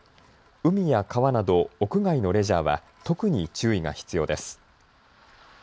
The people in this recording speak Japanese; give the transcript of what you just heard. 海や川など屋外のレジャーは特に注意が必要です。